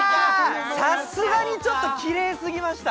さすがにちょっとキレイすぎました